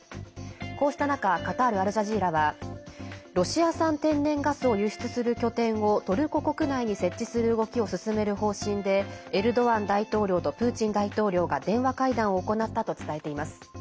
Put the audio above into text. こうした中カタール・アルジャジーラはロシア産天然ガスを輸出する拠点をトルコ国内に設置する動きを進める方針でエルドアン大統領とプーチン大統領が電話会談を行ったと伝えています。